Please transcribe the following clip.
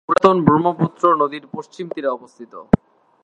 পুরাতন ব্রহ্মপুত্র নদীর পশ্চিম তীরে অবস্থিত।